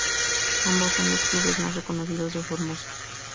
Ambos son los clubes más reconocidos de Formosa.